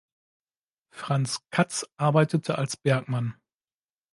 Franz Katz arbeitete als Bergmann.